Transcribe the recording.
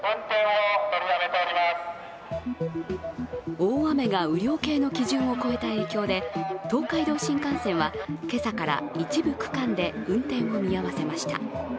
大雨が雨量計の基準を超えた影響で東海道新幹線は今朝から一部区間で運転を見合わせました。